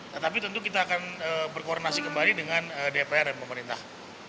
tetapi tentu kita akan berkoordinasi kembali dengan dpr dan pemerintah